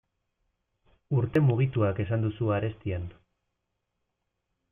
Urte mugituak esan duzu arestian.